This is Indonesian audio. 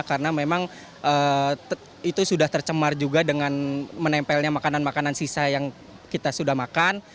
karena memang itu sudah tercemar juga dengan menempelnya makanan makanan sisa yang kita sudah makan